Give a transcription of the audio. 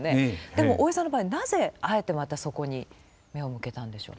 でも大江さんの場合なぜあえてまたそこに目を向けたんでしょうね。